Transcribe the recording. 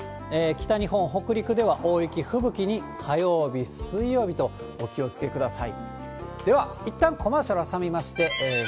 北日本、北陸では大雪、吹雪に火曜日、水曜日と、お気をつけください。